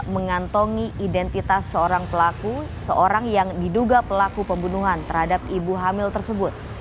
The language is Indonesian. mengantongi identitas seorang pelaku seorang yang diduga pelaku pembunuhan terhadap ibu hamil tersebut